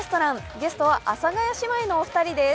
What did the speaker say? ゲストは阿佐ヶ谷姉妹のお二人です。